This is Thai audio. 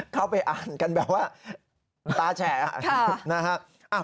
เข้าไปอ่านกันแบบว่าตาแฉะนะฮะ